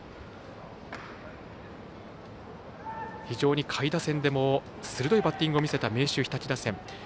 非常に下位打線でも鋭いバッティングを見せた明秀日立打線。